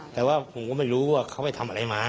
แต่ว่าผมก็ไม่รู้ว่าเขาไปทำอะไรมา